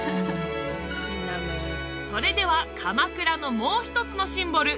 それでは鎌倉のもう一つのシンボル